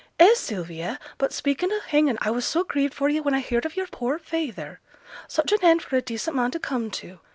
Eh! Sylvia, but speakin' o' hanging I was so grieved for yo' when I heared of yo'r poor feyther! Such an end for a decent man to come to!